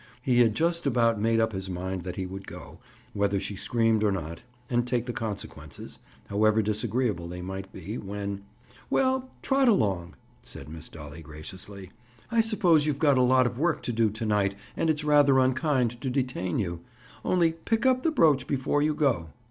He had just about made up his mind that he would go, whether she screamed or not, and take the consequences, however disagreeable they might be, when— "Well, trot along," said Miss Dolly graciously. "I suppose you've got a lot of work to do to night and it's rather unkind to detain you. Only pick up the brooch before you go."